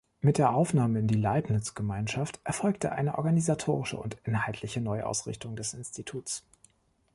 Mit der Aufnahme in die Leibniz-Gemeinschaft erfolgte eine organisatorische und inhaltliche Neuausrichtung des Instituts.